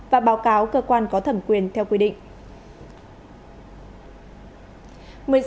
và báo cáo cơ quan có thẩm quyền theo quy định